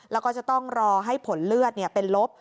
แล้วก็จะต้องรอให้ผลเลือดเป็นลบ